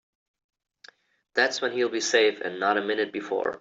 That's when he'll be safe and not a minute before.